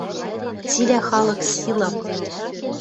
Цилӓ халык силам